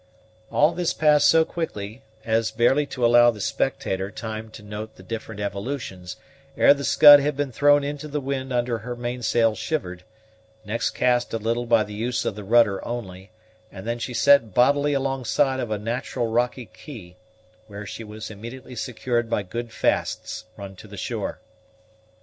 All this passed so quickly as barely to allow the spectator time to note the different evolutions, ere the Scud had been thrown into the wind until her mainsail shivered, next cast a little by the use of the rudder only, and then she set bodily alongside of a natural rocky quay, where she was immediately secured by good fasts run to the shore.